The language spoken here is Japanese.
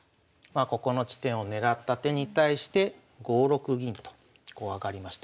ここの地点を狙った手に対して５六銀とこう上がりました。